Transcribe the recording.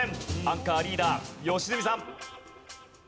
アンカーリーダー良純さん。